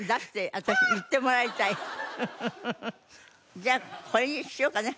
じゃあこれにしようかな。